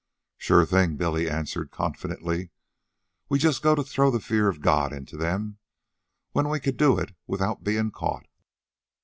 "Sure thing," Billy answered confidently. "We just gotta throw the fear of God into them when we can do it without bein' caught."